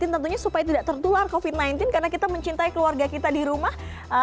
tentunya supaya tidak tertular covid sembilan belas karena kita mencintai keluarga kita di rumah